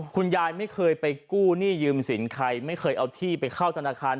คุณยายไม่เคยไปกู้หนี้ยืมสินใครไม่เคยเอาที่ไปเข้าธนาคาร